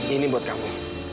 ini buat kamu